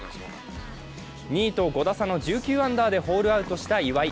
２位と５打差の１９アンダーでホールアウトした岩井。